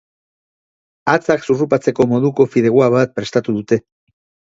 Hatzak zurrupatzeko moduko fideua bat prestatuko dute.